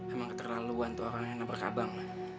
emang keterlaluan tuh orang yang nampak abang